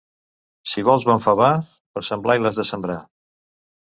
Si vols bon favar, per Sant Blai l'has de sembrar.